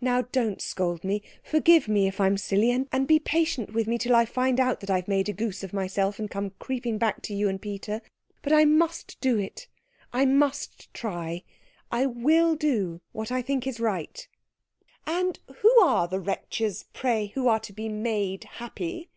"Now don't scold me forgive me if I'm silly, and be patient with me till I find out that I've made a goose of myself and come creeping back to you and Peter. But I must do it I must try I will do what I think is right." "And who are the wretches, pray, who are to be made happy?"